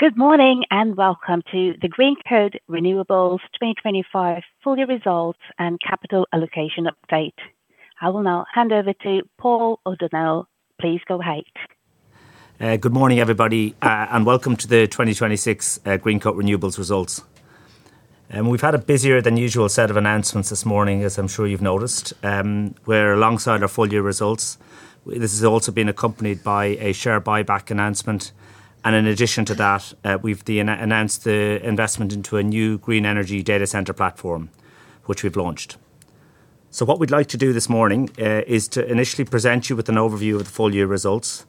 Good morning. Welcome to the Greencoat Renewables 2025 Full-Year Results and Capital Allocation Update. I will now hand over to Paul O'Donnell. Please go ahead. Good morning, everybody, and welcome to the 2026, Greencoat Renewables results. We've had a busier than usual set of announcements this morning, as I'm sure you've noticed. Where alongside our full year results, this has also been accompanied by a share buyback announcement. In addition to that, we've announced the investment into a new green energy data center platform, which we've launched. What we'd like to do this morning, is to initially present you with an overview of the full-year results.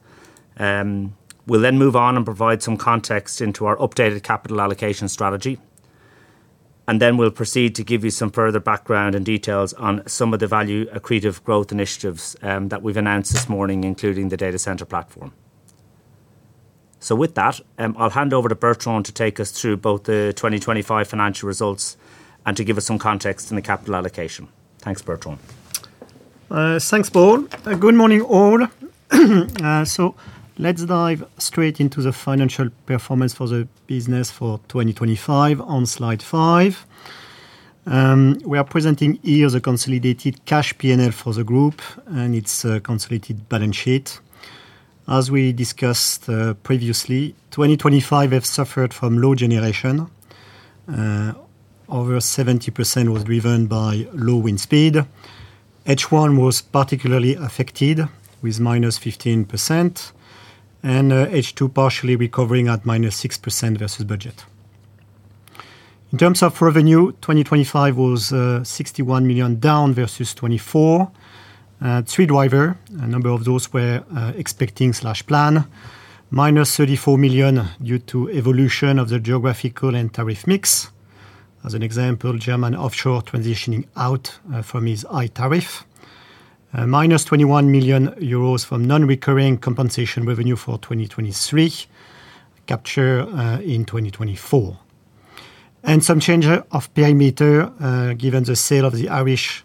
We'll then move on and provide some context into our updated capital allocation strategy. Then we'll proceed to give you some further background and details on some of the value accretive growth initiatives, that we've announced this morning, including the data center platform. With that, I'll hand over to Bertrand to take us through both the 2025 financial results and to give us some context on the capital allocation. Thanks, Bertrand. Thanks, Paul. Good morning, all. Let's dive straight into the financial performance for the business for 2025 on slide five. We are presenting here the consolidated cash P&L for the group and its consolidated balance sheet. As we discussed, previously, 2025 have suffered from low generation. Over 70% was driven by low wind speed. H1 was particularly affected with -15% and H2 partially recovering at -6% versus budget. In terms of revenue, 2025 was 61 million down versus 2024. Three driver, a number of those were expecting/plan, -34 million due to evolution of the geographical and tariff mix. As an example, German offshore transitioning out from its high tariff. -21 million euros from non-recurring compensation revenue for 2023 capture in 2024. Some change of perimeter, given the sale of the Irish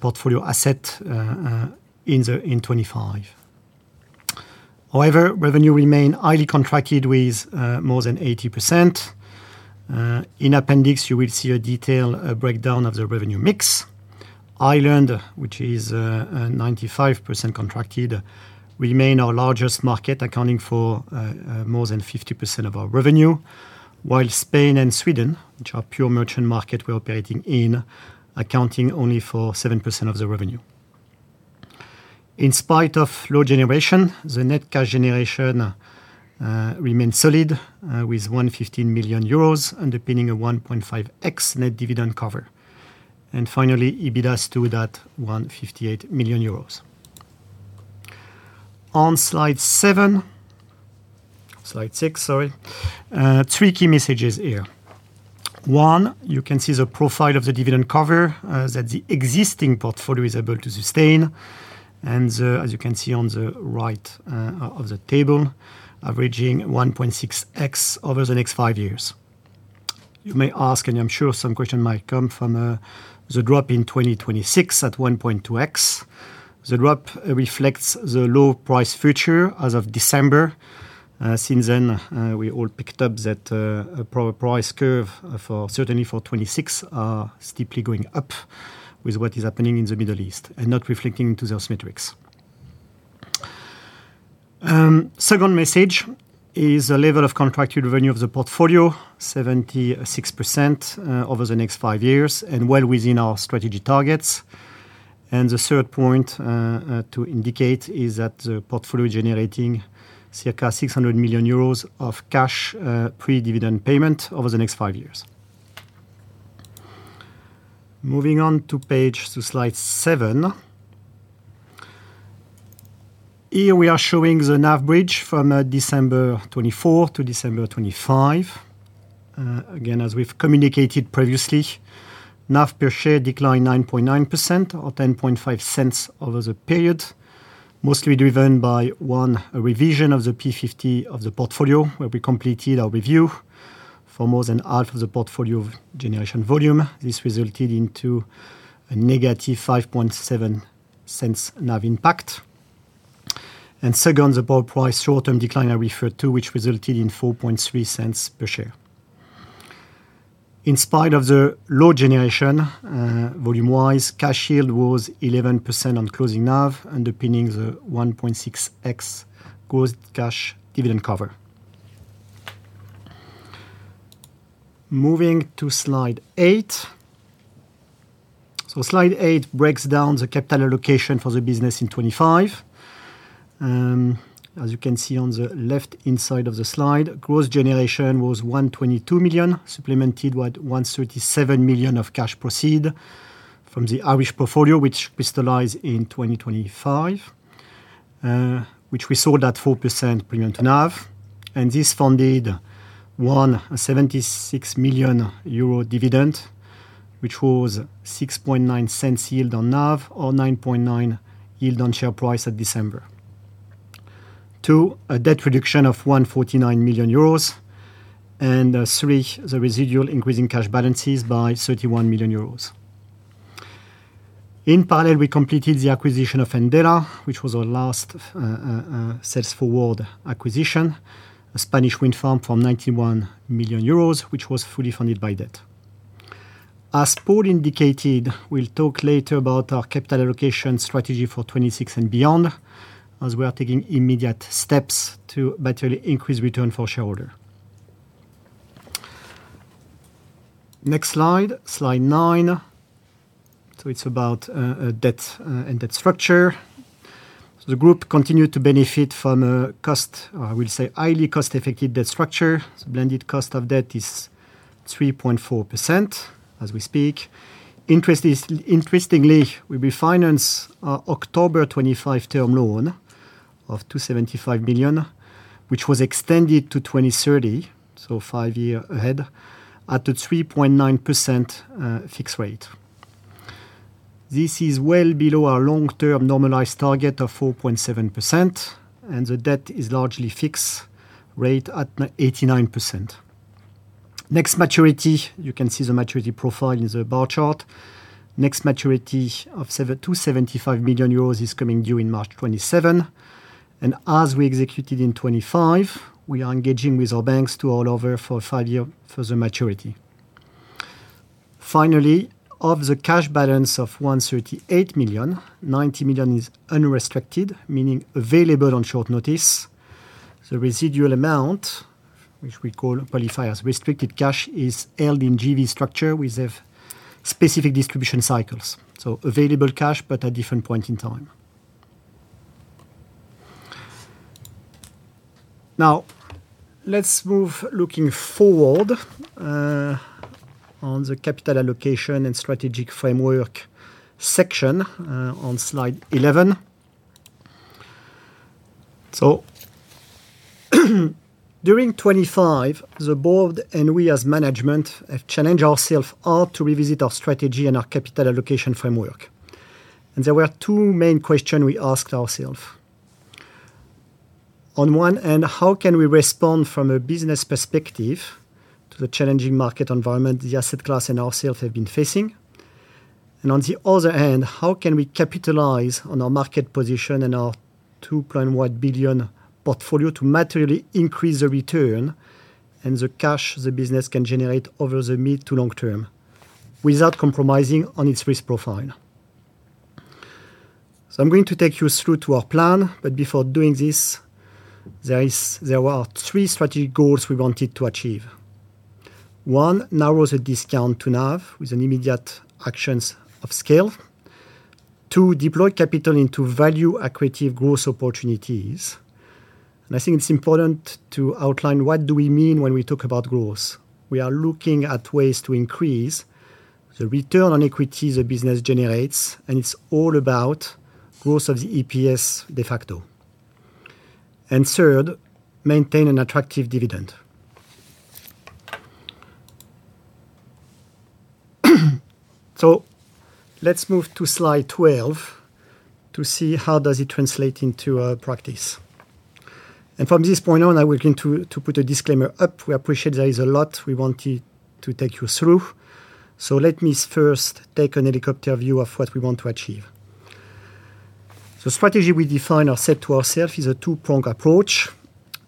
portfolio asset in 2025. However, revenue remain highly contracted with more than 80%. In appendix, you will see a detailed breakdown of the revenue mix. Ireland, which is 95% contracted, remain our largest market, accounting for more than 50% of our revenue, while Spain and Sweden, which are pure merchant market we're operating in, accounting only for 7% of the revenue. In spite of low generation, the net cash generation remains solid with 115 million euros underpinning a 1.5x net dividend cover. Finally, EBITDA stood at 158 million euros. On slide seven, slide six, sorry. Three key messages here. One, you can see the profile of the dividend cover that the existing portfolio is able to sustain. As you can see on the right of the table, averaging 1.6x over the next five years. You may ask, and I'm sure some question might come from the drop in 2026 at 1.2x. The drop reflects the low price future as of December. Since then, we all picked up that price curve for certainly for 2026 are steeply going up with what is happening in the Middle East and not reflecting to those metrics. Second message is the level of contracted revenue of the portfolio, 76% over the next five years and well within our strategy targets. The third point to indicate is that the portfolio generating circa 600 million euros of cash pre-dividend payment over the next five years. Moving on to slide seven. Here we are showing the NAV bridge from December 2024 to December 2025. Again, as we've communicated previously, NAV per share declined 9.9% or 0.105 over the period, mostly driven by, one, a revision of the P50 of the portfolio, where we completed our review for more than half of the portfolio of generation volume. This resulted into a negative 0.057 NAV impact. Two, the power price short-term decline I referred to, which resulted in 0.043 per share. In spite of the low generation, volume-wise, cash yield was 11% on closing NAV, underpinning the 1.6x gross cash dividend cover. Moving to Slide 8. Slide 8 breaks down the capital allocation for the business in 2025. As you can see on the left-hand side of the slide, gross generation was 122 million, supplemented with 137 million of cash proceed from the Irish portfolio, which crystallized in 2025, which we sold at 4% premium to NAV. This funded 176 million euro dividend, which was 0.069 yield on NAV or 9.9% yield on share price at December 2, a debt reduction of 149 million euros. Three, the residual increase in cash balances by 31 million euros. In parallel, we completed the acquisition of Andella, which was our last sales forward acquisition, a Spanish wind farm from 91 million euros, which was fully funded by debt. Paul indicated, we'll talk later about our capital allocation strategy for 2026 and beyond as we are taking immediate steps to materially increase return for shareholder. Next slide nine. It's about debt and debt structure. The group continued to benefit from a cost, I will say, highly cost-effective debt structure. Blended cost of debt is 3.4% as we speak. Interestingly, we refinance our October 2025 term loan of 275 million, which was extended to 2030, so five year ahead, at a 3.9% fixed rate. This is well below our long-term normalized target of 4.7%, and the debt is largely fixed rate at 89%. Next maturity, you can see the maturity profile in the bar chart. Next maturity of 275 million euros is coming due in March 2027. As we executed in 2025, we are engaging with our banks to roll over for 5 year for the maturity. Finally, of the cash balance of 138 million, 90 million is unrestricted, meaning available on short notice. The residual amount, which we call, qualify as restricted cash, is held in JV structure with the specific distribution cycles. Available cash, but at different point in time. Now, let's move looking forward, on the capital allocation and strategic framework section, on slide 11. During 2025, the board and we as management have challenged ourself all to revisit our strategy and our capital allocation framework. There were two main question we asked ourself. On one hand, how can we respond from a business perspective to the challenging market environment the asset class and ourselves have been facing? On the other hand, how can we capitalize on our market position and our 2.1 billion portfolio to materially increase the return and the cash the business can generate over the mid to long term without compromising on its risk profile? I'm going to take you through to our plan, but before doing this, there were three strategic goals we wanted to achieve. One, narrow the discount to NAV with an immediate actions of scale. Two, deploy capital into value accretive growth opportunities. I think it's important to outline what do we mean when we talk about growth. We are looking at ways to increase the return on equity the business generates, and it's all about growth of the EPS de facto. Third, maintain an attractive dividend. Let's move to slide 12 to see how does it translate into practice. From this point on, I would like to put a disclaimer up. We appreciate there is a lot we want to take you through, so let me first take an helicopter view of what we want to achieve. The strategy we define ourself to ourself is a two-pronged approach.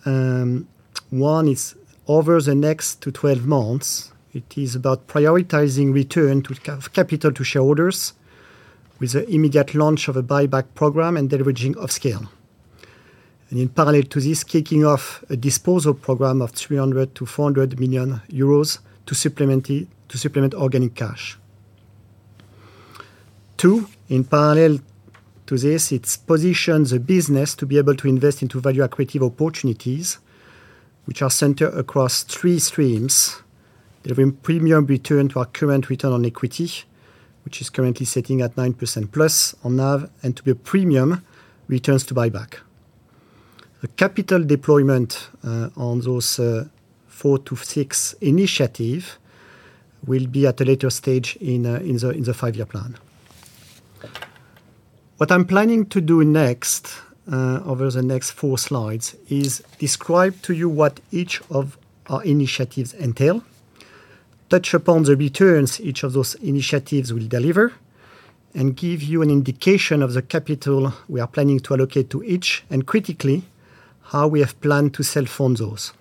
One is over the next 12 months, it is about prioritizing return to capital to shareholders with the immediate launch of a buyback program and deleveraging of scale. In parallel to this, kicking off a disposal program of 300 million-400 million euros to supplement organic cash. In parallel to this, it positions the business to be able to invest into value accretive opportunities, which are centered across three streams. Delivery premium return to our current return on equity, which is currently sitting at 9%+ on NAV, and to be a premium returns to buyback. The capital deployment on those four to six initiative will be at a later stage in the five-year plan. What I'm planning to do next, over the next four slides, is describe to you what each of our initiatives entail, touch upon the returns each of those initiatives will deliver, and give you an indication of the capital we are planning to allocate to each, and critically, how we have planned to sell fund those.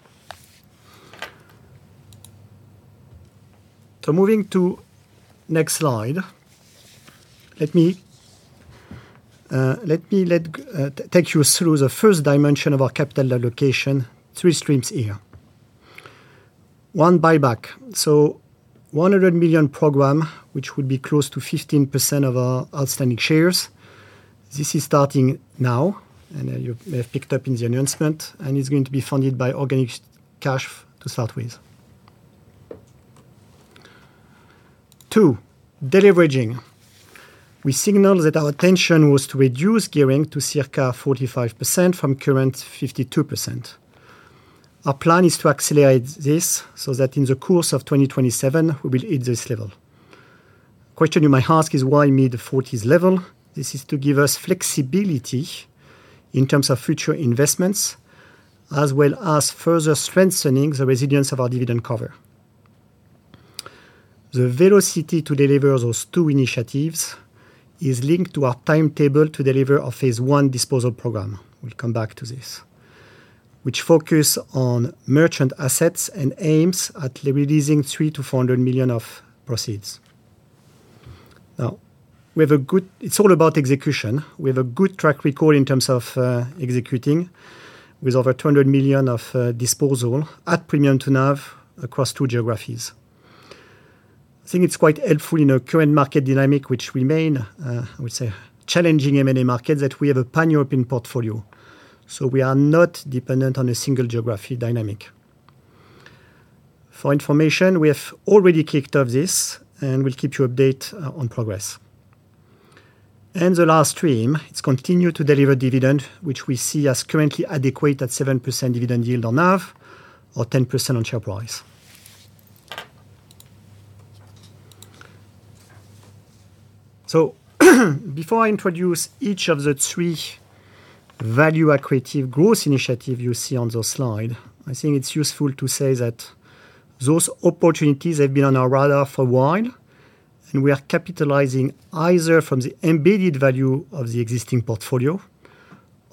Moving to next slide, let me take you through the first dimension of our capital allocation, three streams here. One, buyback. 100 million program, which would be close to 15% of our outstanding shares. This is starting now, and you may have picked up in the announcement, and it's going to be funded by organic cash to start with. Two, deleveraging. We signaled that our intention was to reduce gearing to circa 45% from current 52%. Our plan is to accelerate this so that in the course of 2027, we will hit this level. Question you might ask is: Why mid-40s level? This is to give us flexibility in terms of future investments, as well as further strengthening the resilience of our dividend cover. The velocity to deliver those two initiatives is linked to our timetable to deliver our phase one disposal program, we'll come back to this, which focus on merchant assets and aims at releasing 300 million-400 million of proceeds. It's all about execution. We have a good track record in terms of executing with over 200 million of disposal at premium to NAV across two geographies. I think it's quite helpful in our current market dynamic, which remain, I would say challenging M&A market that we have a pan-European portfolio. We are not dependent on a single geography dynamic. For information, we have already kicked off this, and we'll keep you update on progress. The last stream is continue to deliver dividend, which we see as currently adequate at 7% dividend yield on NAV or 10% on share price. Before I introduce each of the three value accretive growth initiative you see on the slide, I think it's useful to say that those opportunities have been on our radar for a while, and we are capitalizing either from the embedded value of the existing portfolio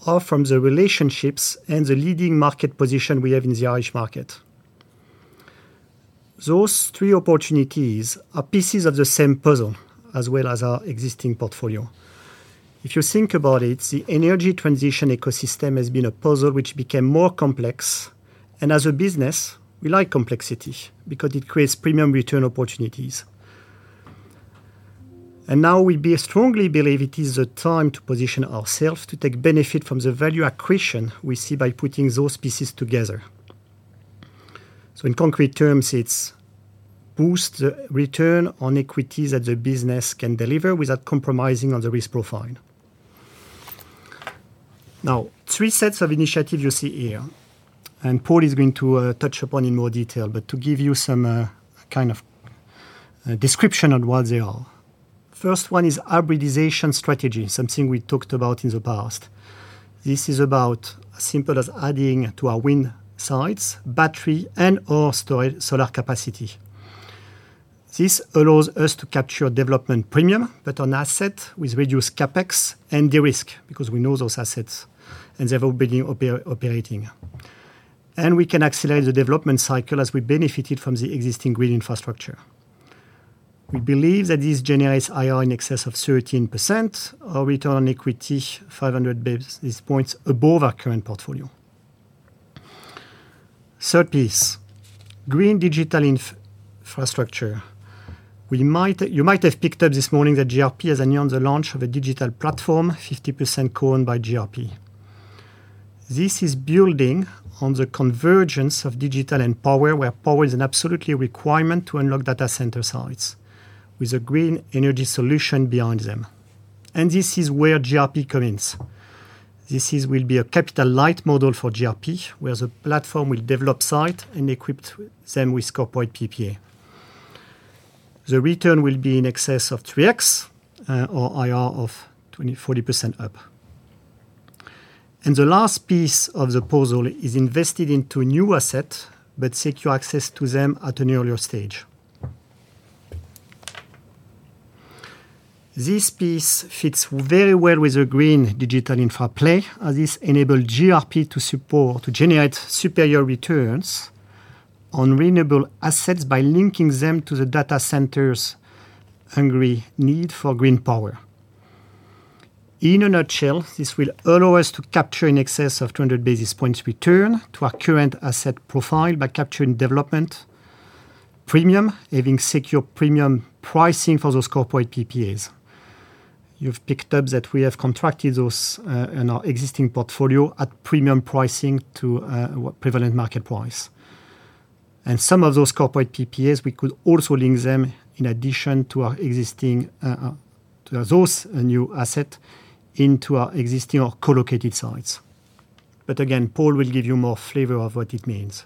or from the relationships and the leading market position we have in the Irish market. Those three opportunities are pieces of the same puzzle as well as our existing portfolio. If you think about it, the energy transition ecosystem has been a puzzle which became more complex. As a business, we like complexity because it creates premium return opportunities. Now we strongly believe it is the time to position ourselves to take benefit from the value accretion we see by putting those pieces together. In concrete terms, it's boost return on equity that the business can deliver without compromising on the risk profile. Three sets of initiatives you see here, and Paul is going to touch upon in more detail, but to give you some description on what they are. First one is hybridization strategy, something we talked about in the past. This is about as simple as adding to our wind sites, battery and/or storage solar capacity. This allows us to capture development premium, but on asset with reduced CapEx and de-risk because we know those assets and they have been operating. We can accelerate the development cycle as we benefited from the existing green infrastructure. We believe that this generates IRR in excess of 13% or return on equity 500 basis points above our current portfolio. Third piece, green digital infrastructure. You might have picked up this morning that GRP has announced the launch of a digital platform, 50% co-owned by GRP. This is building on the convergence of digital and power, where power is an absolutely requirement to unlock data center sites with a green energy solution behind them. This is where GRP comes. This will be a capital light model for GRP, where the platform will develop site and equip them with corporate PPA. The return will be in excess of 3x or IRR of 20%-40% up. The last piece of the puzzle is invested into a new asset, but secure access to them at an earlier stage. This piece fits very well with the green digital infra play, as this enable GRP to generate superior returns on renewable assets by linking them to the data centers' hungry need for green power. In a nutshell, this will allow us to capture in excess of 200 basis points return to our current asset profile by capturing development premium, having secure premium pricing for those corporate PPAs. You've picked up that we have contracted those in our existing portfolio at premium pricing to what prevalent market price. Some of those corporate PPAs, we could also link them in addition to our existing to those new asset into our existing or co-located sites. Again, Paul will give you more flavor of what it means.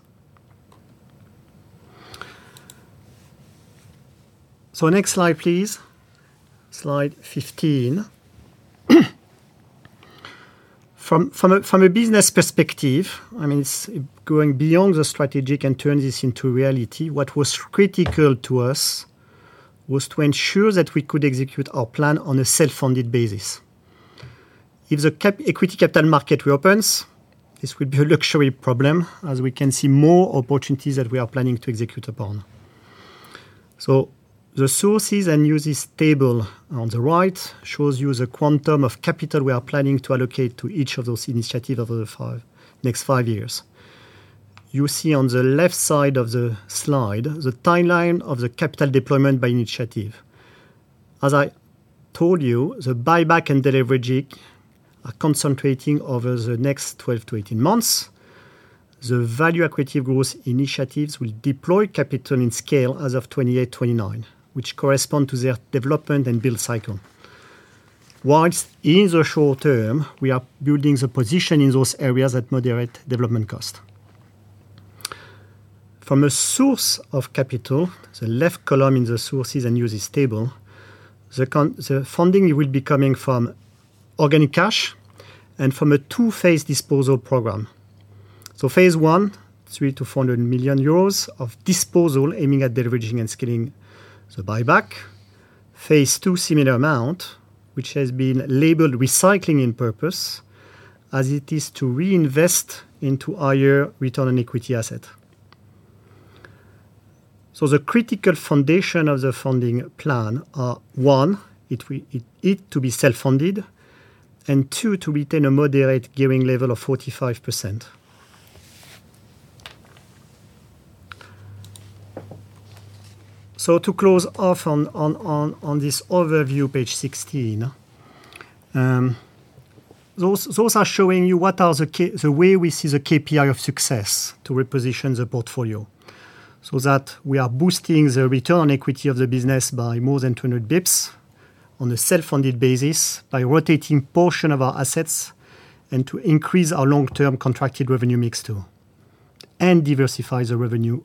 Next slide, please. Slide 15. From a business perspective, I mean, going beyond the strategic and turn this into reality, what was critical to us was to ensure that we could execute our plan on a self-funded basis. If the equity capital market reopens, this would be a luxury problem as we can see more opportunities that we are planning to execute upon. The sources and uses table on the right shows you the quantum of capital we are planning to allocate to each of those initiative over the five, next five years. You see on the left side of the slide, the timeline of the capital deployment by initiative. As I told you, the buyback and de-leveraging are concentrating over the next 12-18 months. The value accretive growth initiatives will deploy capital in scale as of 2028, 2029, which correspond to their development and build cycle. Whilst in the short term, we are building the position in those areas at moderate development cost. From a source of capital, the left column in the sources and uses table, the funding will be coming from organic cash and from a two-phase disposal program. Phase I, 300 million-400 million euros of disposal aiming at deleveraging and scaling the buyback. Phase II, similar amount, which has been labeled recycling in purpose as it is to reinvest into higher return on equity asset. The critical foundation of the funding plan are, one, it to be self-funded, and two, to retain a moderate gearing level of 45%. To close off on this overview, page 16, those are showing you what are the way we see the KPI of success to reposition the portfolio so that we are boosting the return equity of the business by more than 200 basis points on a self-funded basis by rotating portion of our assets and to increase our long-term contracted revenue mix too, and diversify the revenue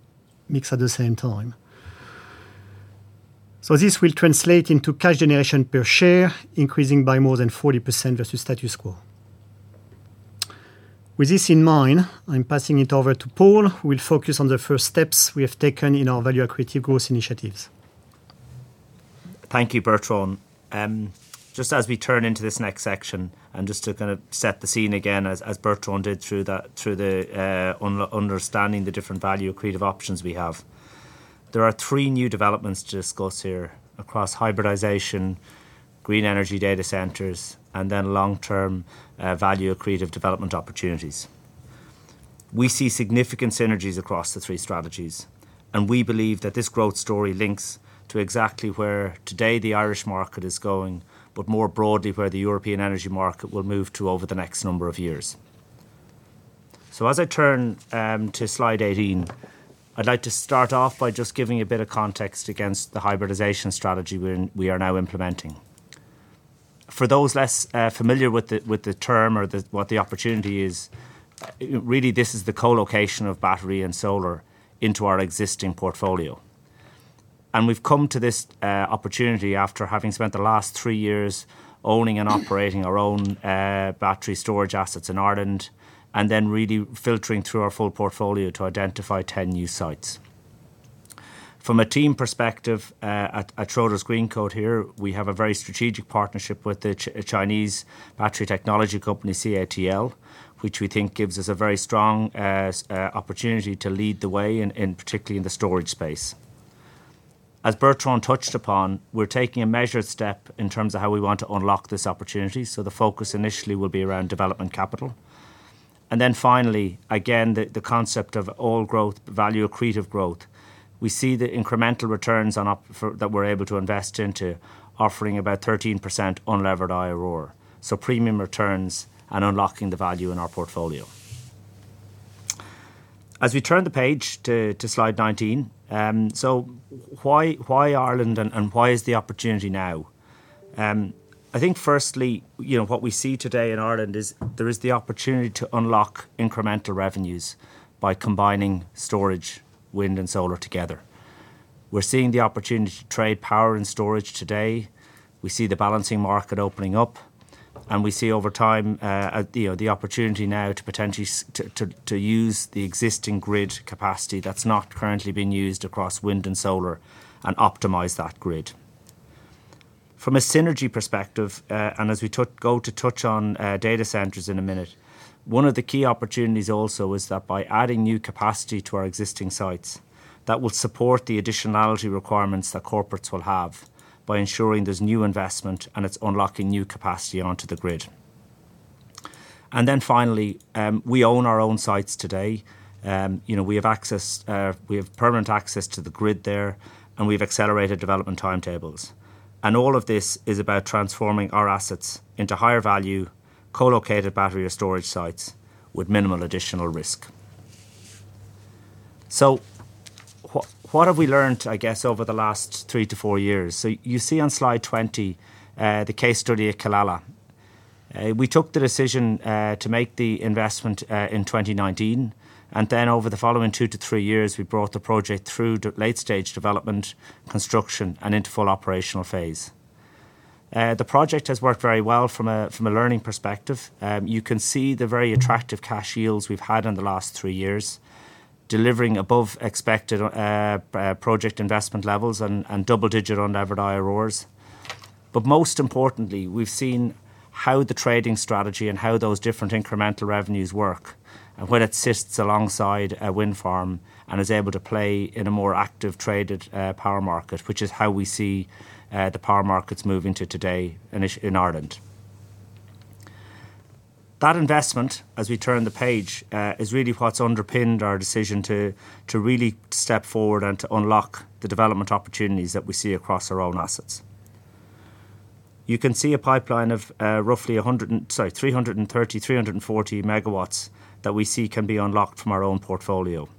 mix at the same time. This will translate into cash generation per share, increasing by more than 40% versus status quo. With this in mind, I'm passing it over to Paul, who will focus on the first steps we have taken in our value accretive growth initiatives. Thank you, Bertrand. Just as we turn into this next section and just to kind of set the scene again as Bertrand did through the, through the understanding the different value accretive options we have. There are three new developments to discuss here across hybridization, green energy data centers, and then long-term value accretive development opportunities. We see significant synergies across the three strategies, and we believe that this growth story links to exactly where today the Irish market is going, but more broadly, where the European energy market will move to over the next number of years. As I turn to slide 18, I'd like to start off by just giving a bit of context against the hybridization strategy we are now implementing. For those less familiar with the, with the term or the, what the opportunity is, really, this is the co-location of battery and solar into our existing portfolio. We've come to this opportunity after having spent the last three years owning and operating our own battery storage assets in Ireland, then really filtering through our full portfolio to identify 10 new sites. From a team perspective, at Schroders Greencoat here, we have a very strategic partnership with the Chinese battery technology company, CATL, which we think gives us a very strong opportunity to lead the way in, particularly in the storage space. As Bertrand touched upon, we're taking a measured step in terms of how we want to unlock this opportunity, so the focus initially will be around development capital. Finally, again, the concept of all growth, value accretive growth. We see the incremental returns for that we're able to invest into offering about 13% unlevered IRR, so premium returns and unlocking the value in our portfolio. As we turn the page to slide 19, why Ireland and why is the opportunity now? I think firstly, you know, what we see today in Ireland is there is the opportunity to unlock incremental revenues by combining storage, wind, and solar together. We're seeing the opportunity to trade power and storage today. We see the balancing market opening up, and we see over time, you know, the opportunity now to potentially to use the existing grid capacity that's not currently being used across wind and solar and optimize that grid. From a synergy perspective, and as we to touch on data centers in a minute, one of the key opportunities also is that by adding new capacity to our existing sites, that will support the additionality requirements that corporates will have by ensuring there's new investment and it's unlocking new capacity onto the grid. Finally, we own our own sites today. You know, we have access, we have permanent access to the grid there, we've accelerated development timetables. All of this is about transforming our assets into higher value, co-located battery or storage sites with minimal additional risk. What have we learned, I guess, over the last 3-4 years? You see on slide 20, the case study at Killala. We took the decision to make the investment in 2019, over the following 2-3 years, we brought the project through to late-stage development, construction, and into full operational phase. The project has worked very well from a learning perspective. You can see the very attractive cash yields we've had in the last three years, delivering above expected project investment levels and double-digit unlevered IRORs. Most importantly, we've seen how the trading strategy and how those different incremental revenues work and when it sits alongside a wind farm and is able to play in a more active traded power market, which is how we see the power markets moving to today in Ireland. That investment, as we turn the page, is really what's underpinned our decision to really step forward and to unlock the development opportunities that we see across our own assets. You can see a pipeline of roughly 330-340 megawatts that we see can be unlocked from our own portfolio.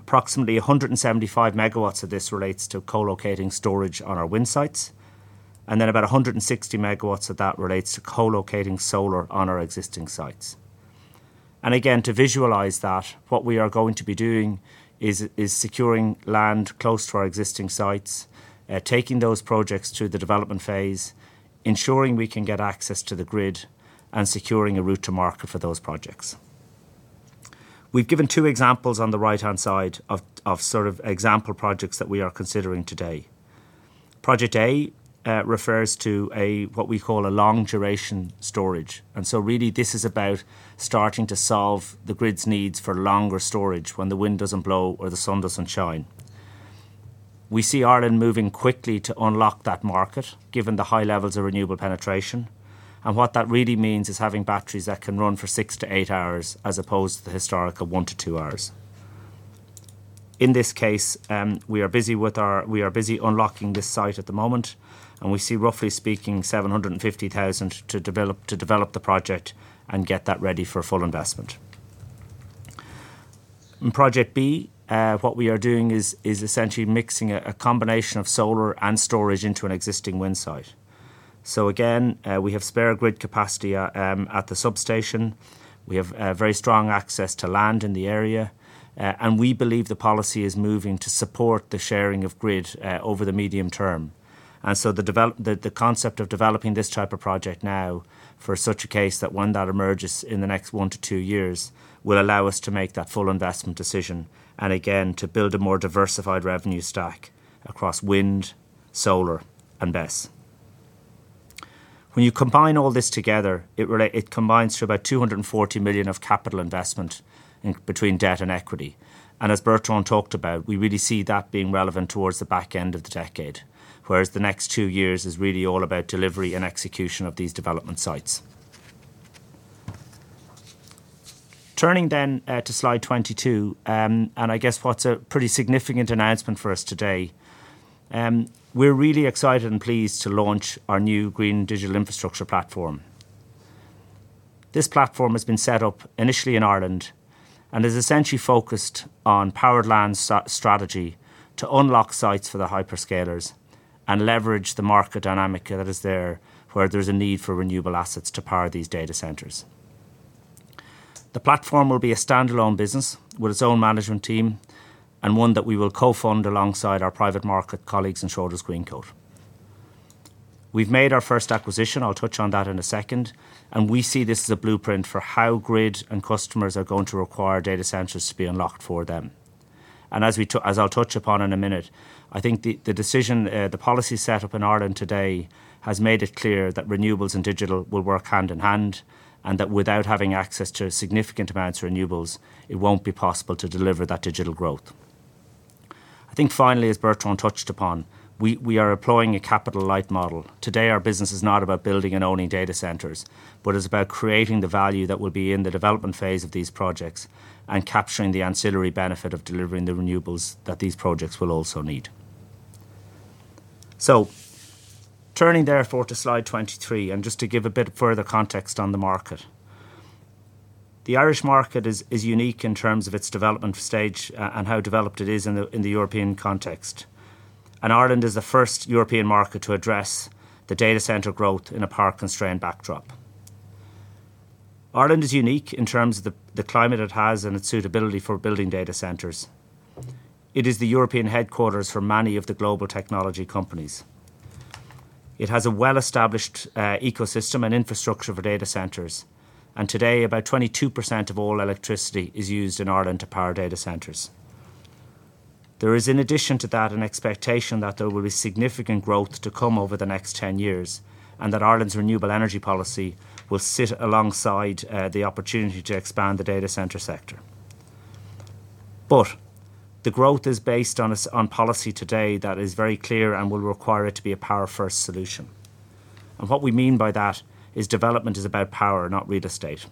Approximately 175 megawatts of this relates to co-locating storage on our wind sites, then about 160 megawatts of that relates to co-locating solar on our existing sites. Again, to visualize that, what we are going to be doing is securing land close to our existing sites, taking those projects to the development phase, ensuring we can get access to the grid, and securing a route to market for those projects. We've given two examples on the right-hand side of sort of example projects that we are considering today. Project A refers to what we call a long-duration storage, and so really this is about starting to solve the grid's needs for longer storage when the wind doesn't blow or the sun doesn't shine. We see Ireland moving quickly to unlock that market, given the high levels of renewable penetration, and what that really means is having batteries that can run for 6-8 hours as opposed to the historic of 1-2 hours. In this case, we are busy unlocking this site at the moment, and we see, roughly speaking, 750,000 to develop the project and get that ready for full investment. In project B, what we are doing is essentially mixing a combination of solar and storage into an existing wind site. Again, we have spare grid capacity at the substation. We have very strong access to land in the area, we believe the policy is moving to support the sharing of grid over the medium term. The concept of developing this type of project now for such a case that one that emerges in the next one to two years will allow us to make that full investment decision, again, to build a more diversified revenue stack across wind, solar and BESS. When you combine all this together, it combines to about 240 million of capital investment in between debt and equity. As Bertrand talked about, we really see that being relevant towards the back end of the decade. Whereas the next two years is really all about delivery and execution of these development sites. Turning then to slide 22, and I guess what's a pretty significant announcement for us today, we're really excited and pleased to launch our new green digital infrastructure platform. This platform has been set up initially in Ireland and is essentially focused on powered land strategy to unlock sites for the hyperscalers and leverage the market dynamic that is there, where there's a need for renewable assets to power these data centers. The platform will be a standalone business with its own management team and one that we will co-fund alongside our private market colleagues in Schroders Greencoat. We've made our first acquisition, I'll touch on that in a second, and we see this as a blueprint for how grid and customers are going to require data centers to be unlocked for them. As I'll touch upon in a minute, I think the decision, the policy set up in Ireland today has made it clear that renewables and digital will work hand in hand, and that without having access to significant amounts of renewables, it won't be possible to deliver that digital growth. I think finally, as Bertrand touched upon, we are employing a capital-light model. Today, our business is not about building and owning data centers, but it's about creating the value that will be in the development phase of these projects and capturing the ancillary benefit of delivering the renewables that these projects will also need. Turning therefore to slide 23, just to give a bit further context on the market. The Irish market is unique in terms of its development stage and how developed it is in the European context. Ireland is the first European market to address the data center growth in a power-constrained backdrop. Ireland is unique in terms of the climate it has and its suitability for building data centers. It is the European headquarters for many of the global technology companies. It has a well-established ecosystem and infrastructure for data centers, and today, about 22% of all electricity is used in Ireland to power data centers. There is, in addition to that, an expectation that there will be significant growth to come over the next 10 years, and that Ireland's renewable energy policy will sit alongside the opportunity to expand the data center sector. The growth is based on policy today that is very clear and will require it to be a power-first solution. What we mean by that is development is about power, not real estate.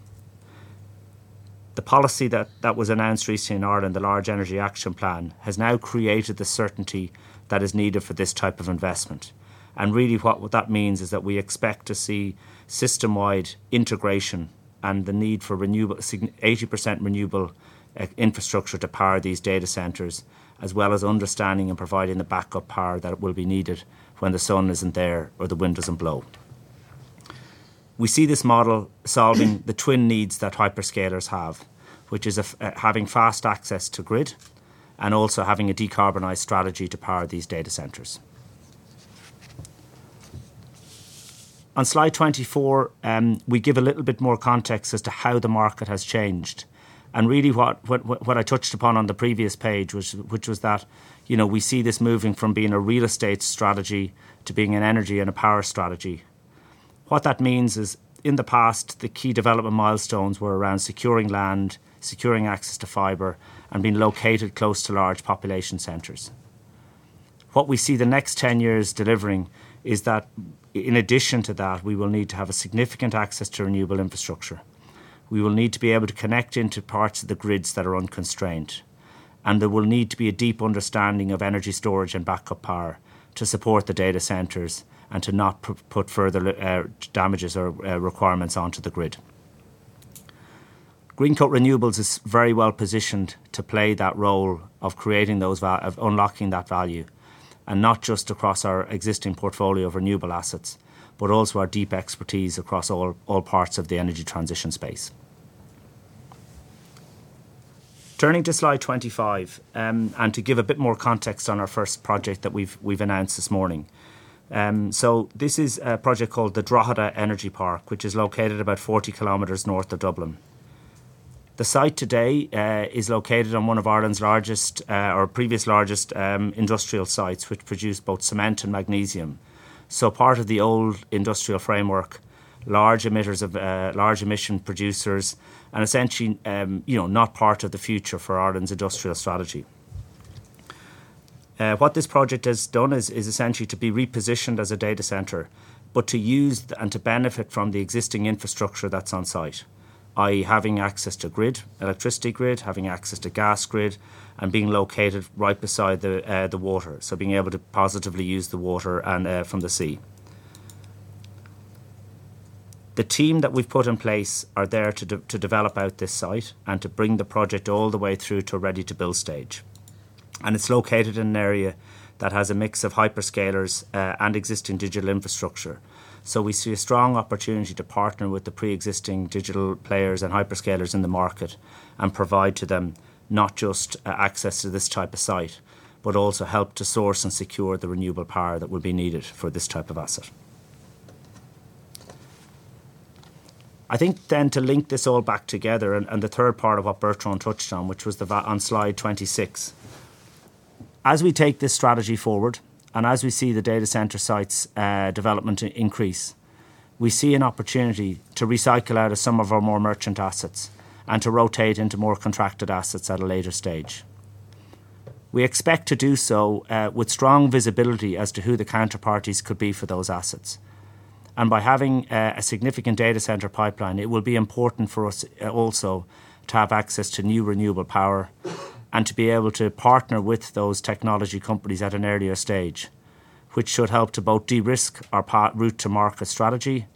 The policy that was announced recently in Ireland, the Climate Action Plan, has now created the certainty that is needed for this type of investment. Really what that means is that we expect to see system-wide integration and the need for 80% renewable infrastructure to power these data centers, as well as understanding and providing the backup power that will be needed when the sun isn't there or the wind doesn't blow. We see this model solving the twin needs that hyperscalers have, which is having fast access to grid and also having a decarbonized strategy to power these data centers. On slide 24, we give a little bit more context as to how the market has changed. Really what I touched upon on the previous page, which was that, you know, we see this moving from being a real estate strategy to being an energy and a power strategy. What that means is, in the past, the key development milestones were around securing land, securing access to fiber, and being located close to large population centers. What we see the next 10 years delivering is that in addition to that, we will need to have a significant access to renewable infrastructure. We will need to be able to connect into parts of the grids that are unconstrained, and there will need to be a deep understanding of energy storage and backup power to support the data centers and to not put further damages or requirements onto the grid. Greencoat Renewables is very well-positioned to play that role of creating those of unlocking that value, and not just across our existing portfolio of renewable assets, but also our deep expertise across all parts of the energy transition space. Turning to slide 25, and to give a bit more context on our first project that we've announced this morning. This is a project called the Drogheda Energy Park, which is located about 40 kilometers north of Dublin. The site today is located on one of Ireland's largest, or previous largest, industrial sites, which produce both cement and magnesium. Part of the old industrial framework, large emitters of large emission producers and essentially, you know, not part of the future for Ireland's industrial strategy. What this project has done is essentially to be repositioned as a data center, but to use and to benefit from the existing infrastructure that's on site, i.e., having access to grid, electricity grid, having access to gas grid, and being located right beside the water, so being able to positively use the water and from the sea. The team that we've put in place are there to develop out this site and to bring the project all the way through to ready-to-build stage. It's located in an area that has a mix of hyperscalers and existing digital infrastructure. We see a strong opportunity to partner with the preexisting digital players and hyperscalers in the market and provide to them not just access to this type of site, but also help to source and secure the renewable power that would be needed for this type of asset. I think to link this all back together and the third part of what Bertrand touched on, which was on slide 26. As we take this strategy forward, and as we see the data center sites development increase, we see an opportunity to recycle out of some of our more merchant assets and to rotate into more contracted assets at a later stage. We expect to do so with strong visibility as to who the counterparties could be for those assets. By having a significant data center pipeline, it will be important for us also to have access to new renewable power and to be able to partner with those technology companies at an earlier stage, which should help to both de-risk our route to market strategy,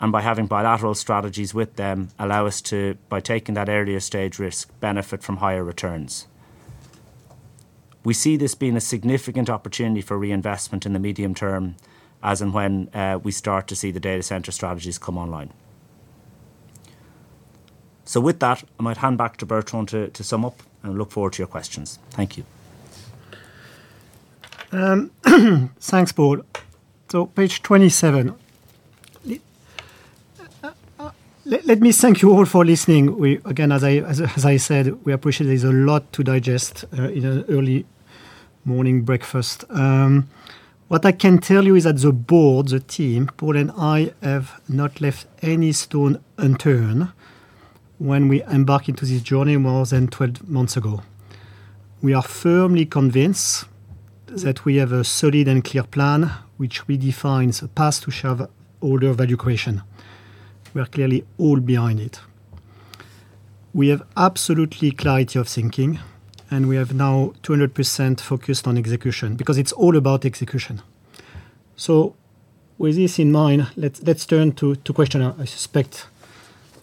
and by having bilateral strategies with them, allow us to, by taking that earlier stage risk, benefit from higher returns. We see this being a significant opportunity for reinvestment in the medium term as and when we start to see the data center strategies come online. With that, I might hand back to Bertrand to sum up and look forward to your questions. Thank you. Thanks, Paul. Page 27. Let me thank you all for listening. We, again, as I said, we appreciate there's a lot to digest in an early morning breakfast. What I can tell you is that the board, the team, Paul and I have not left any stone unturned when we embark into this journey more than 12 months ago. We are firmly convinced that we have a solid and clear plan which redefines the path to shareholder value creation. We are clearly all behind it. We have absolutely clarity of thinking, and we have now 200% focused on execution because it's all about execution. With this in mind, let's turn to question. I suspect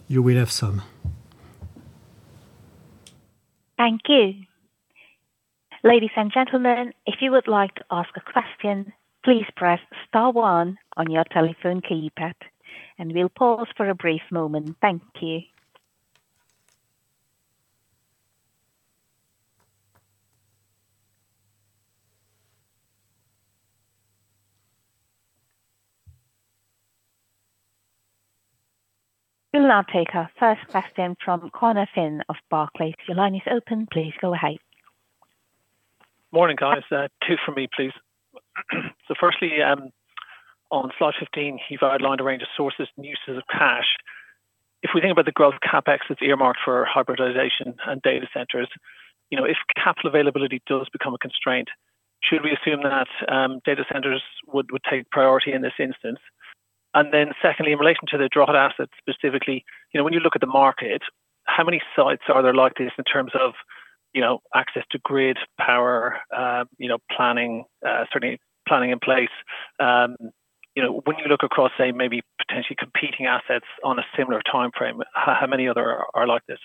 you will have some. Thank you. Ladies and gentlemen, if you would like to ask a question, please press star one on your telephone keypad, and we'll pause for a brief moment. Thank you. We'll now take our first question from Conor Finn of Barclays. Your line is open. Please go ahead. Morning, guys. two from me, please. firstly, on slide 15, you've outlined a range of sources and uses of cash. If we think about the growth CapEx that's earmarked for hybridization and data centers, you know, if capital availability does become a constraint, should we assume that data centers would take priority in this instance? secondly, in relation to the Drogheda asset specifically, you know, when you look at the market, how many sites are there like this in terms of, you know, access to grid power, you know, planning, certainly planning in place? you know, when you look across, say, maybe potentially competing assets on a similar timeframe, how many other are like this?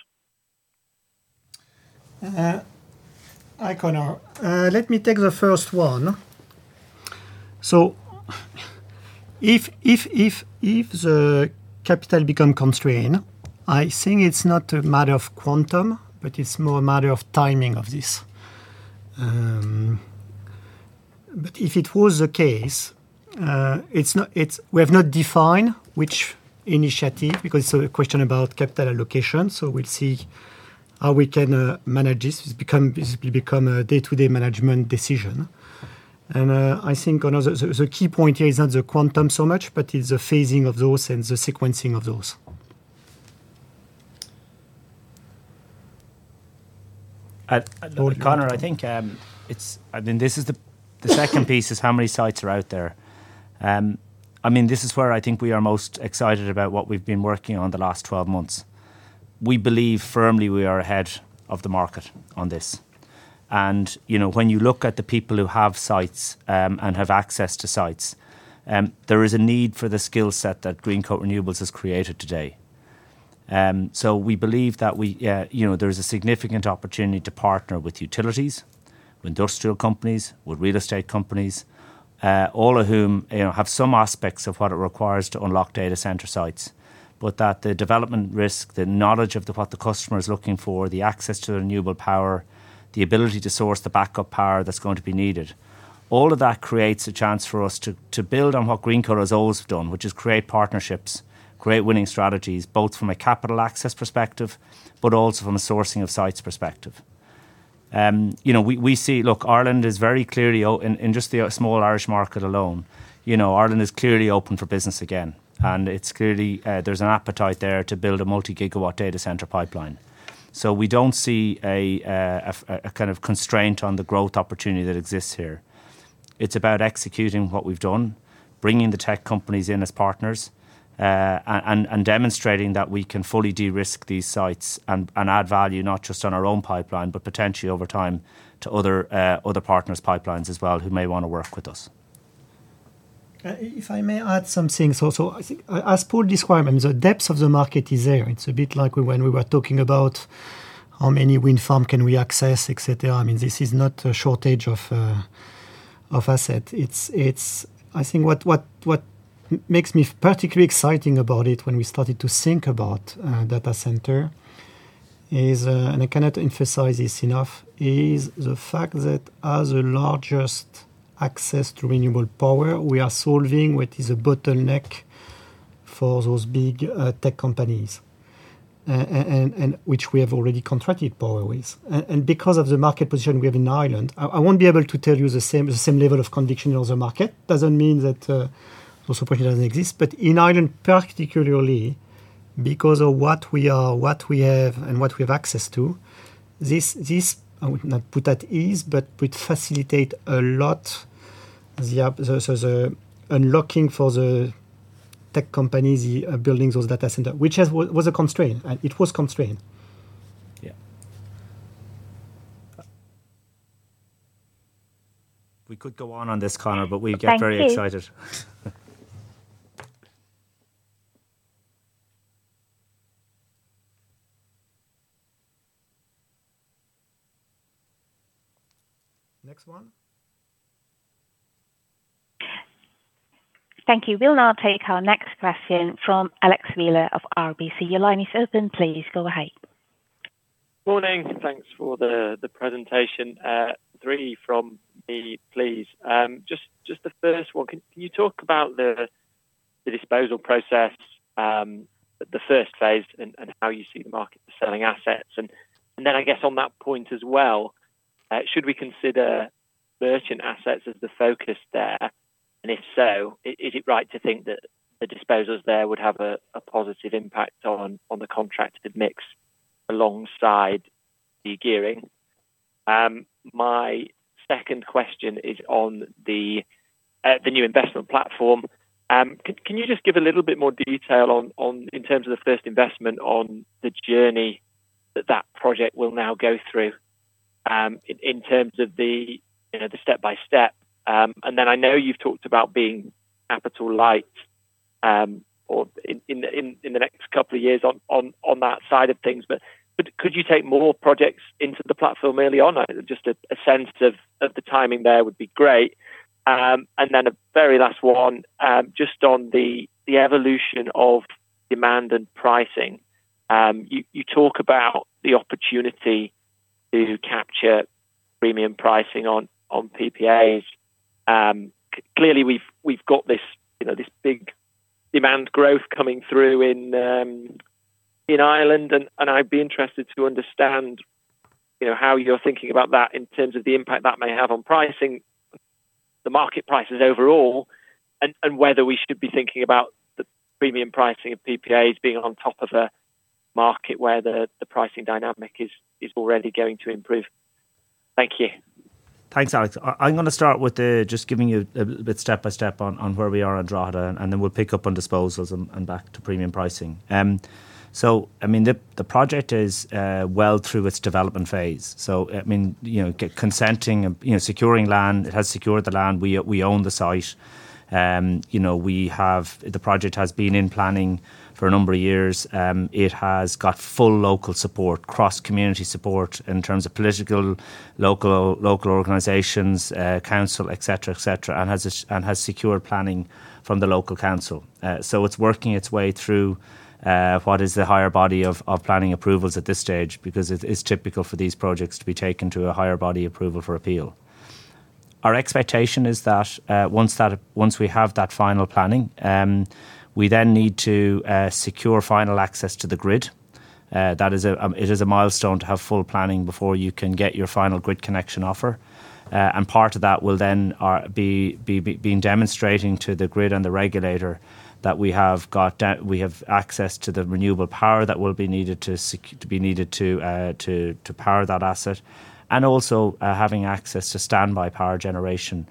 Hi, Conor. Let me take the first one. If the capital become constrained, I think it's not a matter of quantum, but it's more a matter of timing of this. If it was the case, it's we have not defined which initiative because it's a question about capital allocation, so we'll see how we can manage this. It's become, basically a day-to-day management decision. I think on a... The key point here is not the quantum so much, but it's the phasing of those and the sequencing of those. Conor, I think, I mean, this is the second piece is how many sites are out there. I mean, this is where I think we are most excited about what we've been working on the last 12 months. We believe firmly we are ahead of the market on this. You know, when you look at the people who have sites, and have access to sites, there is a need for the skill set that Greencoat Renewables has created today. We believe that we, you know, there is a significant opportunity to partner with utilities, with industrial companies, with real estate companies, all of whom, you know, have some aspects of what it requires to unlock data center sites. that the development risk, the knowledge of what the customer is looking for, the access to the renewable power, the ability to source the backup power that's going to be needed, all of that creates a chance for us to build on what Greencoat has always done, which is create partnerships, create winning strategies, both from a capital access perspective, but also from a sourcing of sites perspective. You know, we see. Look, Ireland is very clearly in just the small Irish market alone, you know, Ireland is clearly open for business again, and it's clearly there's an appetite there to build a multi-gigawatt data center pipeline. We don't see a kind of constraint on the growth opportunity that exists here. It's about executing what we've done, bringing the tech companies in as partners, and demonstrating that we can fully de-risk these sites and add value not just on our own pipeline, but potentially over time to other partners' pipelines as well who may wanna work with us. If I may add some things also. I think, as Paul described, I mean, the depth of the market is there. It's a bit like when we were talking about how many wind farm can we access, et cetera. I mean, this is not a shortage of asset. I think what makes me particularly exciting about it when we started to think about data center is, and I cannot emphasize this enough, is the fact that as the largest access to renewable power, we are solving what is a bottleneck for those big tech companies and which we have already contracted power with. Because of the market position we have in Ireland, I won't be able to tell you the same, the same level of conviction on other market. Doesn't mean that those opportunity doesn't exist. In Ireland particularly, because of what we are, what we have, and what we have access to, this, I would not put at ease, but would facilitate a lot the unlocking for the tech companies, the buildings, those data center, which has, was a constraint. It was constraint. Yeah. We could go on on this, Conor, but we'd get very excited. Next one. Thank you. We'll now take our next question from Alex Wheeler of RBC. Your line is open. Please go ahead. Morning. Thanks for the presentation. Three from me, please. Just the first one. Can you talk about the disposal process, the first phase and how you see the market for selling assets? Then I guess on that point as well, should we consider merchant assets as the focus there? If so, is it right to think that the disposals there would have a positive impact on the contracted mix alongside the gearing? My second question is on the new investment platform. Can you just give a little bit more detail on in terms of the first investment on the journey that that project will now go through, in terms of the, you know, the step-by-step? I know you've talked about being capital light, or in the next couple of years on that side of things, but could you take more projects into the platform early on? Just a sense of the timing there would be great. A very last one, just on the evolution of demand and pricing. You talk about the opportunity to capture premium pricing on PPAs. Clearly we've got this, you know, this big demand growth coming through in Ireland, and I'd be interested to understand, you know, how you're thinking about that in terms of the impact that may have on pricing, the market prices overall, and whether we should be thinking about the premium pricing of PPAs being on top of a market where the pricing dynamic is already going to improve. Thank you. Thanks, Alex. I'm gonna start with the, just giving you a bit step-by-step on where we are on Drogheda, and then we'll pick up on disposals and back to premium pricing. I mean, the project is well through its development phase. I mean, you know, consenting and, you know, securing land. It has secured the land. We own the site. You know, the project has been in planning for a number of years. It has got full local support, cross-community support in terms of political, local organizations, council, et cetera, and has secured planning from the local council. It's working its way through what is the higher body of planning approvals at this stage because it is typical for these projects to be taken to a higher body approval for appeal. Our expectation is that, once we have that final planning, we then need to secure final access to the grid. It is a milestone to have full planning before you can get your final grid connection offer. Part of that will then be in demonstrating to the grid and the regulator that we have access to the renewable power that will be needed to be needed to power that asset, and also having access to standby power generation,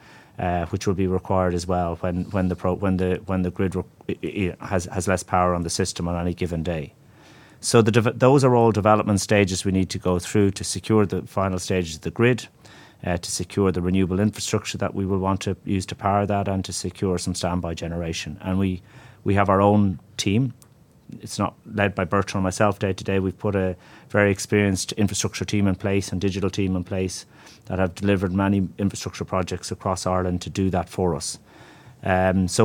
which will be required as well when the grid has less power on the system on any given day. Those are all development stages we need to go through to secure the final stages of the grid to secure the renewable infrastructure that we will want to use to power that and to secure some standby generation. We have our own team. It's not led by Bertrand or myself day-to-day. We've put a very experienced infrastructure team in place and digital team in place that have delivered many infrastructure projects across Ireland to do that for us.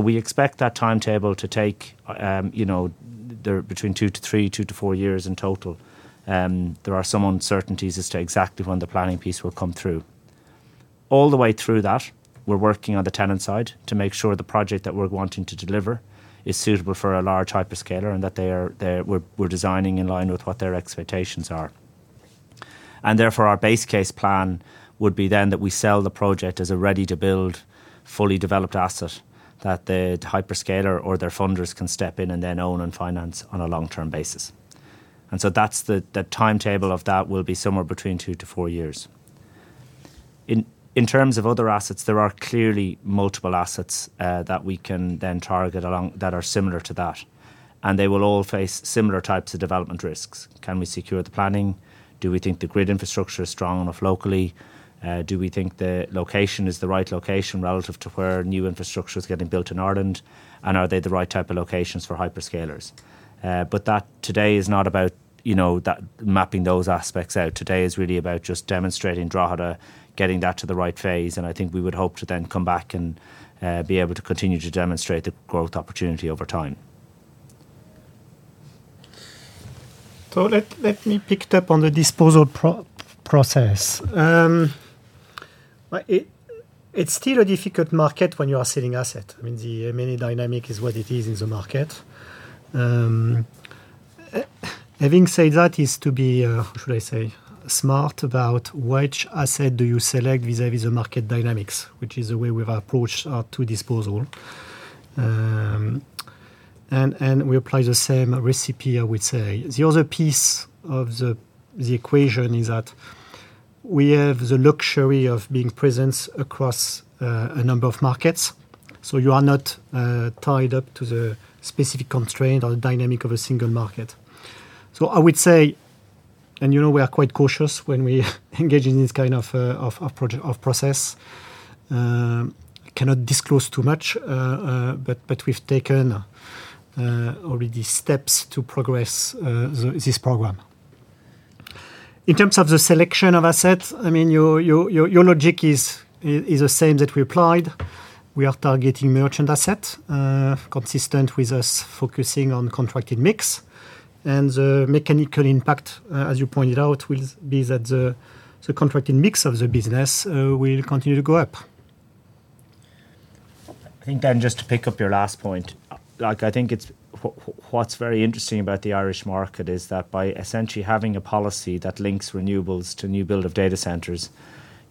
We expect that timetable to take, you know, they're between 2-3, 2-4 years in total. There are some uncertainties as to exactly when the planning piece will come through. All the way through that, we're working on the tenant side to make sure the project that we're wanting to deliver is suitable for a large hyperscaler and that they are, we're designing in line with what their expectations are. Therefore, our base case plan would be then that we sell the project as a ready-to-build, fully developed asset that the hyperscaler or their funders can step in and then own and finance on a long-term basis. That's the timetable of that will be somewhere between two to four years. In terms of other assets, there are clearly multiple assets that we can then target along that are similar to that, and they will all face similar types of development risks. Can we secure the planning? Do we think the grid infrastructure is strong enough locally? Do we think the location is the right location relative to where new infrastructure is getting built in Ireland? Are they the right type of locations for hyperscalers? That today is not about, you know, that mapping those aspects out. Today is really about just demonstrating Drogheda, getting that to the right phase, and I think we would hope to then come back and be able to continue to demonstrate the growth opportunity over time. Let me pick it up on the disposal process. Well, it's still a difficult market when you are selling asset. I mean, the many dynamic is what it is in the market. Having said that is to be, should I say, smart about which asset do you select vis-à-vis the market dynamics, which is the way we have approached to disposal. We apply the same recipe, I would say. The other piece of the equation is that we have the luxury of being present across a number of markets, so you are not tied up to the specific constraint or the dynamic of a single market. I would say, and you know, we are quite cautious when we engage in this kind of process. I cannot disclose too much, but we've taken already steps to progress this program. In terms of the selection of assets, I mean, your logic is the same that we applied. We are targeting merchant asset, consistent with us focusing on contracted mix. The mechanical impact, as you pointed out, will be that the contracted mix of the business will continue to go up. I think just to pick up your last point, like I think what's very interesting about the Irish market is that by essentially having a policy that links renewables to new build of data centers,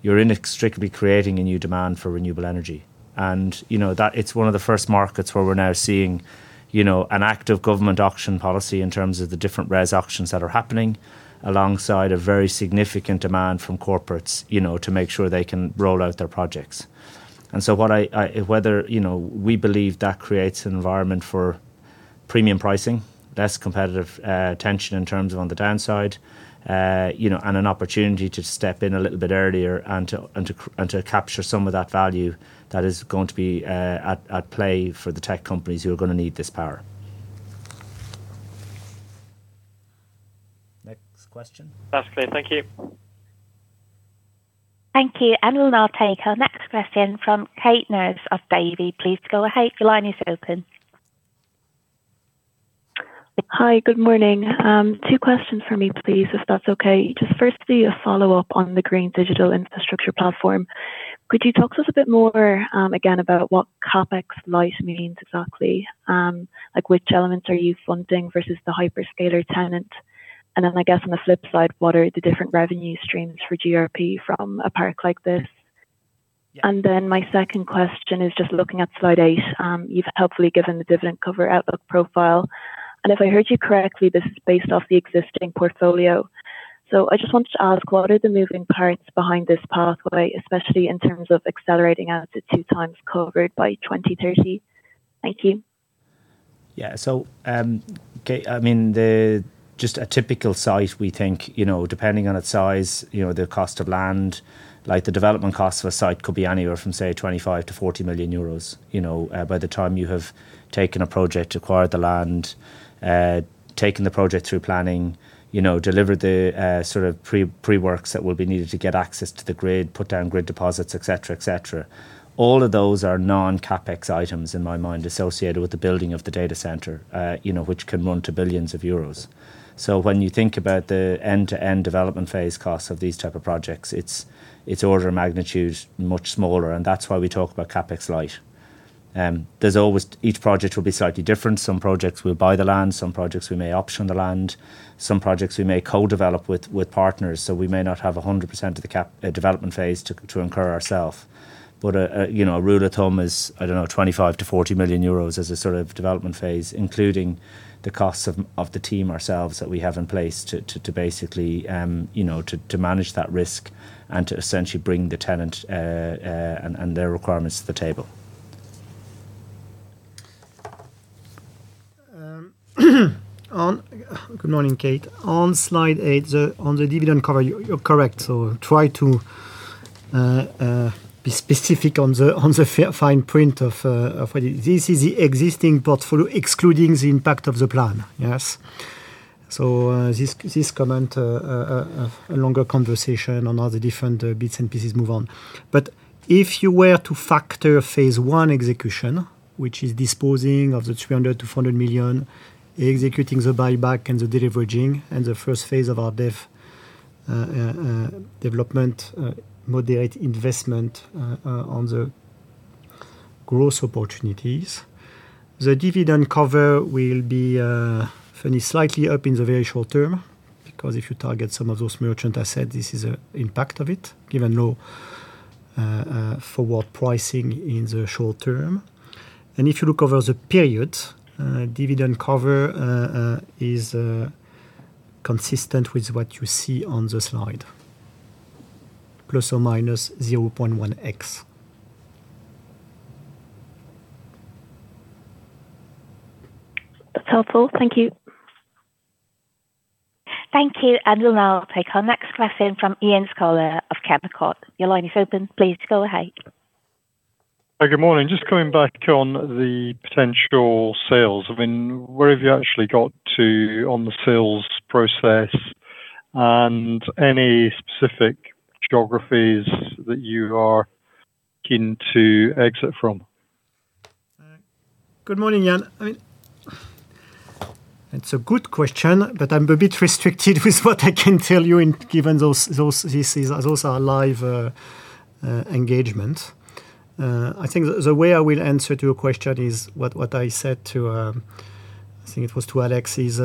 you're inextricably creating a new demand for renewable energy. You know that it's one of the first markets where we're now seeing, you know, an active government auction policy in terms of the different RES auctions that are happening, alongside a very significant demand from corporates, you know, to make sure they can roll out their projects. What I whether, you know, we believe that creates an environment for premium pricing, less competitive, tension in terms of on the downside, you know, and an opportunity to step in a little bit earlier and to capture some of that value that is going to be, at play for the tech companies who are gonna need this power. Next question. That's clear. Thank you. Thank you. We'll now take our next question from Kate Nurse of Davy. Please go ahead. Your line is open. Hi. Good morning. Two questions for me, please, if that's okay. Just firstly a follow-up on the green digital infrastructure platform. Could you talk to us a bit more again about what CapEx light means exactly? Like which elements are you funding versus the hyperscaler tenant? Then I guess on the flip side, what are the different revenue streams for GRP from a park like this? Yeah. My second question is just looking at slide eight. You've helpfully given the dividend cover outlook profile, and if I heard you correctly, this is based off the existing portfolio. I just wanted to ask, what are the moving parts behind this pathway, especially in terms of accelerating out to 2x covered by 2030? Thank you. Yeah. Kate, I mean, the just a typical site, we think, you know, depending on its size, you know, the cost of land, like the development cost of a site could be anywhere from, say, 25 million-40 million euros. You know, by the time you have taken a project, acquired the land, taken the project through planning, you know, delivered the sort of pre-works that will be needed to get access to the grid, put down grid deposits, et cetera, et cetera. All of those are non-CapEx items in my mind associated with the building of the data center, you know, which can run to billions of euros. When you think about the end-to-end development phase costs of these type of projects, it's order of magnitude much smaller, and that's why we talk about CapEx light. There's always...each project will be slightly different. Some projects we'll buy the land, some projects we may option the land, some projects we may co-develop with partners. We may not have 100% of the development phase to incur ourself. A, you know, a rule of thumb is, I don't know, 25 million-40 million euros as a sort of development phase, including the costs of the team ourselves that we have in place to basically, you know, to manage that risk and to essentially bring the tenant and their requirements to the table. Good morning, Kate. On slide eight, on the dividend cover, you're correct. try to be specific on the fine print of whether this is the existing portfolio excluding the impact of the plan. Yes. This comment, a longer conversation on all the different bits and pieces move on. If you were to factor phase one execution, which is disposing of 300 million-400 million, executing the buyback and the deleveraging, and the first phase of our development, moderate investment on the growth opportunities, the dividend cover will be fairly slightly up in the very short term. If you target some of those merchant assets, this is the impact of it, given low forward pricing in the short term. If you look over the period, dividend cover, is consistent with what you see on the slide, plus or minus 0.1x. That's helpful. Thank you. Thank you. We'll now take our next question from Iain Scouller of [Stifel]. Your line is open. Please go ahead. Hey, good morning. Just coming back on the potential sales. I mean, where have you actually got to on the sales process? Any specific geographies that you are keen to exit from? Good morning, Ian. I mean, it's a good question, but I'm a bit restricted with what I can tell you given those are live engagements. I think the way I will answer to your question is what I said to Alex, I think it was to Alex, is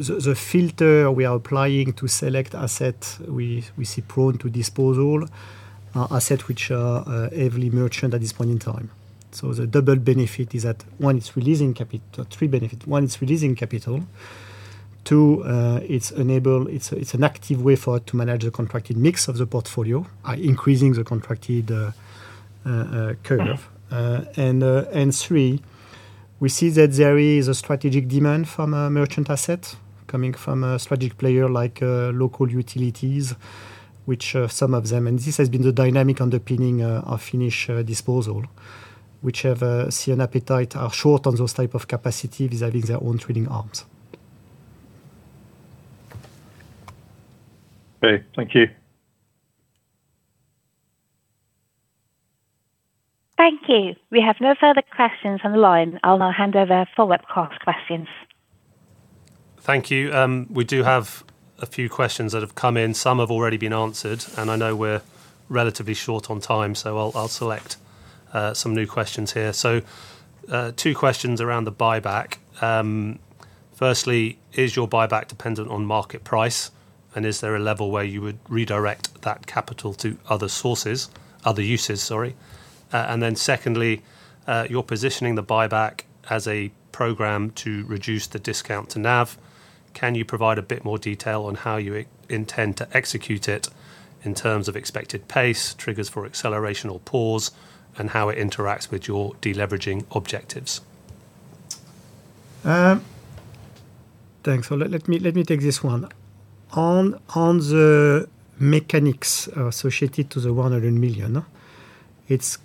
the filter we are applying to select asset we see prone to disposal are asset which are heavily merchant at this point in time. The double benefit is that, one, it's releasing three benefit. One, it's releasing capital. Two, it's an active way to manage the contracted mix of the portfolio by increasing the contracted curve. Three, we see that there is a strategic demand from a merchant asset coming from a strategic player like local utilities, which some of them. This has been the dynamic underpinning our Finnish disposal, which have see an appetite are short on those type of capacity vis-a-vis their own trading arms. Okay. Thank you. Thank you. We have no further questions on the line. I'll now hand over for webcast questions. Thank you. We do have a few questions that have come in. Some have already been answered, and I know we're relatively short on time, so I'll select some new questions here. Two questions around the buyback. Firstly, is your buyback dependent on market price? Is there a level where you would redirect that capital to other uses, sorry? Secondly, you're positioning the buyback as a program to reduce the discount to NAV. Can you provide a bit more detail on how you intend to execute it in terms of expected pace, triggers for acceleration or pause, and how it interacts with your deleveraging objectives? Thanks. Let me take this one. On the mechanics associated to the 100 million,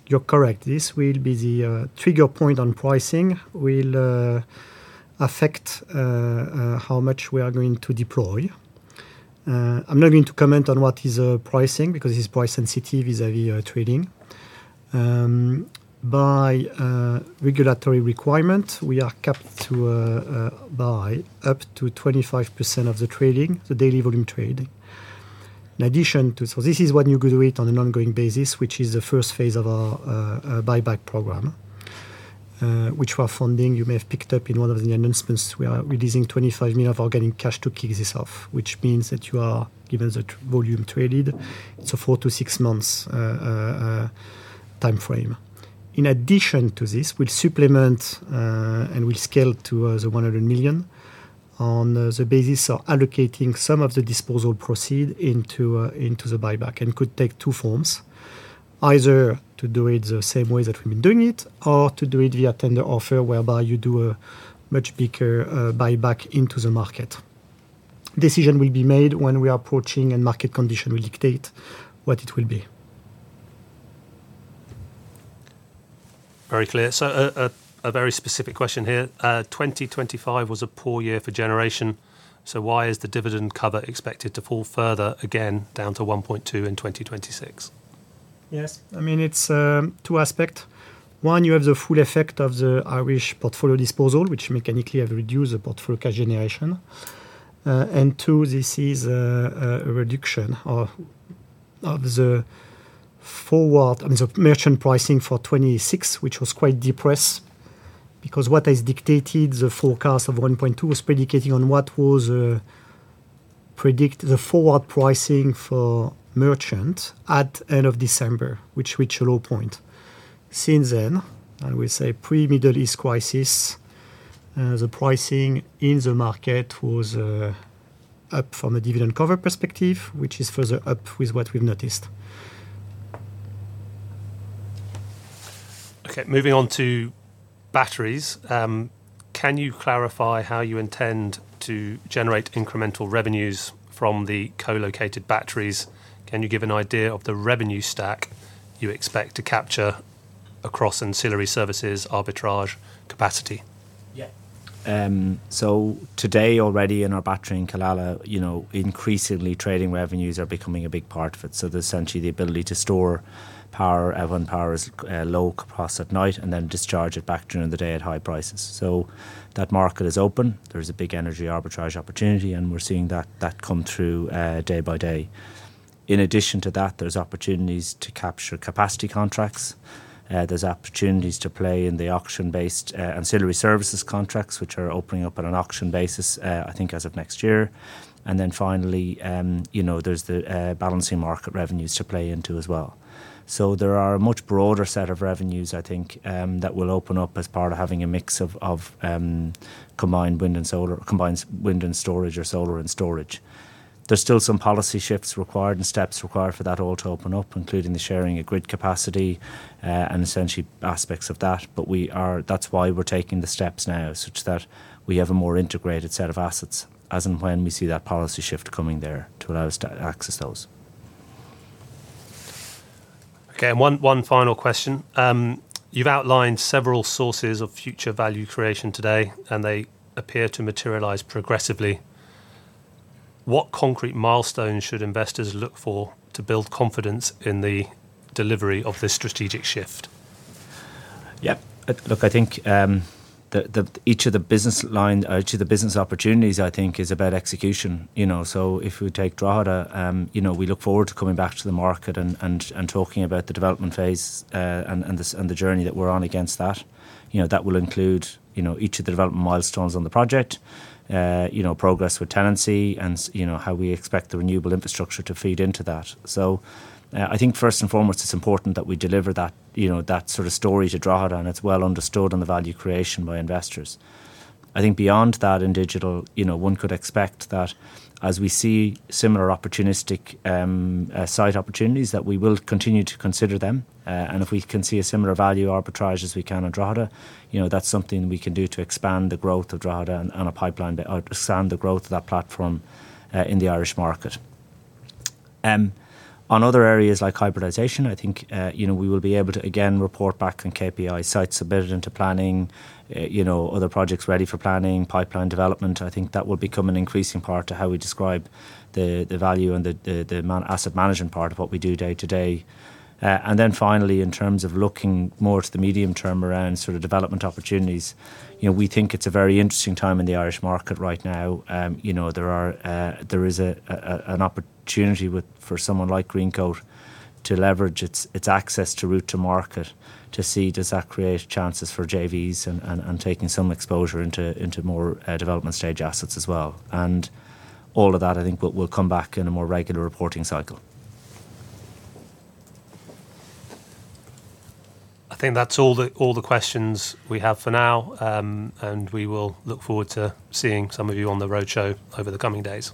you're correct. This will be the trigger point on pricing will affect how much we are going to deploy. I'm not going to comment on what is pricing because it's price sensitive vis-a-vis trading. By regulatory requirement, we are capped to buy up to 25% of the trading, the daily volume trading. In addition to... This is when you do it on an ongoing basis, which is the first phase of our buyback program, which for our funding, you may have picked up in one of the announcements. We are releasing 25 million of our getting cash to kick this off, which means that you are given the volume traded, it's a 4-6 months timeframe. In addition to this, we'll supplement and we'll scale to 100 million on the basis of allocating some of the disposal proceeds into the buyback, and could take two forms. Either to do it the same way that we've been doing it or to do it via tender offer, whereby you do a much bigger buyback into the market. Decision will be made when we are approaching and market condition will dictate what it will be. Very clear. A very specific question here. 2025 was a poor year for generation, why is the dividend cover expected to fall further again down to 1.2 in 2026? Yes. I mean, it's two aspect. One, you have the full effect of the Irish portfolio disposal, which mechanically have reduced the portfolio cash generation. Two, this is a reduction of the forward, I mean, the merchant pricing for 2026, which was quite depressed because what has dictated the forecast of 1.2 was predicating on what was predict the forward pricing for merchant at end of December, which reached a low point. Since then, I will say pre Middle East crisis, the pricing in the market was up from a dividend cover perspective, which is further up with what we've noticed. Moving on to batteries. Can you clarify how you intend to generate incremental revenues from the co-located batteries? Can you give an idea of the revenue stack you expect to capture across ancillary services, arbitrage capacity? Yeah. Today already in our battery in Killala, you know, increasingly trading revenues are becoming a big part of it. There's essentially the ability to store power when power is low capacity at night, and then discharge it back during the day at high prices. That market is open. There is a big energy arbitrage opportunity, and we're seeing that come through day by day. In addition to that, there's opportunities to capture capacity contracts. There's opportunities to play in the auction-based ancillary services contracts, which are opening up on an auction basis, I think as of next year. Finally, you know, there's the balancing market revenues to play into as well. There are a much broader set of revenues, I think, that will open up as part of having a mix of combined wind and solar, combined wind and storage or solar and storage. There's still some policy shifts required and steps required for that all to open up, including the sharing of grid capacity, and essentially aspects of that. That's why we're taking the steps now such that we have a more integrated set of assets as and when we see that policy shift coming there to allow us to access those. Okay. One final question. You've outlined several sources of future value creation today, and they appear to materialize progressively. What concrete milestones should investors look for to build confidence in the delivery of this strategic shift? Yeah. Look, I think, each of the business line or each of the business opportunities, I think, is about execution. You know, if we take Drogheda, you know, we look forward to coming back to the market and talking about the development phase, and the journey that we're on against that. You know, that will include, you know, each of the development milestones on the project, you know, progress with tenancy and how we expect the renewable infrastructure to feed into that. I think first and foremost it's important that we deliver that, you know, that sort of story to Drogheda, and it's well understood on the value creation by investors. I think beyond that in digital, you know, one could expect that as we see similar opportunistic site opportunities, that we will continue to consider them. If we can see a similar value arbitrage as we can on Drogheda, you know, that's something we can do to expand the growth of Drogheda and our pipeline to outstand the growth of that platform in the Irish market. On other areas like hybridization, I think, you know, we will be able to again report back on KPI sites submitted into planning, you know, other projects ready for planning, pipeline development. I think that will become an increasing part to how we describe the value and the asset management part of what we do day-to-day. Finally, in terms of looking more to the medium term around sort of development opportunities, you know, we think it's a very interesting time in the Irish market right now. you know, there is an opportunity for someone like Greencoat to leverage its access to route to market to see does that create chances for JVs and taking some exposure into more development stage assets as well. All of that, I think will come back in a more regular reporting cycle. I think that's all the, all the questions we have for now. We will look forward to seeing some of you on the roadshow over the coming days.